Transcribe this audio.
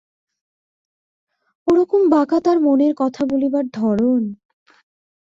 ওরকম বাঁকা তার মনের কথা বলিবার ধরন।